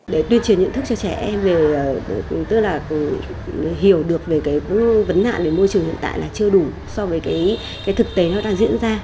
để tuyên truyền nhận thức cho trẻ em về tức là hiểu được về cái vấn nạn về môi trường hiện tại là chưa đủ so với cái thực tế nó đang diễn ra